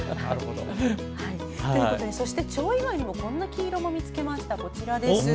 そしてチョウ以外にもこんな黄色も見つけました。